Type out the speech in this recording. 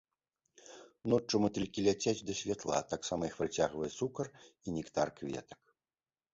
Ноччу матылькі ляцяць да святла, таксама іх прыцягвае цукар і нектар кветак.